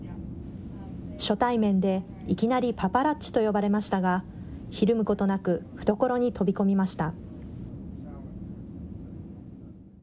初対面でいきなりパパラッチと呼ばれましたが、ひるむことなく、懐に飛び込みました。